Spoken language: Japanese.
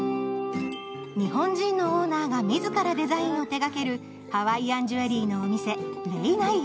日本人のオーナーが自らデザインを手がけるハワイアンジュエリーのお店Ｌｅｉｎａｉ